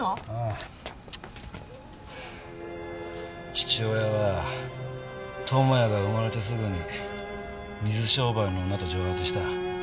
父親は友也が生まれてすぐに水商売の女と蒸発した。